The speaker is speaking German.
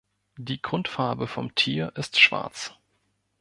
Die Grundfarbe vom Tier ist schwarz.